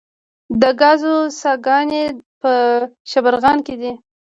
د ګازو څاګانې په شبرغان کې دي